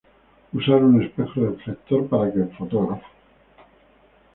Usar un espejo reflector para que el fotógrafo.